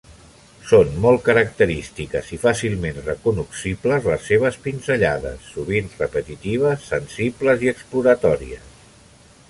Són molt característiques i fàcilment recognoscibles les seves pinzellades, sovint repetitives, sensibles i exploratòries.